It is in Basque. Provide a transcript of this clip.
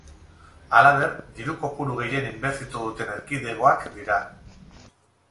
Halaber, diru kopuru gehien inbertitu duten erkidegoak dira.